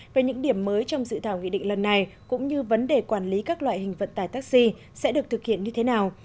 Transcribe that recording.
về những điểm mới trong dự thảo nghị định lần này cũng như vấn đề quản lý các loại hình vận tải taxi sẽ được thực hiện như thế nào